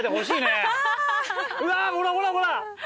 うわほらほらほら。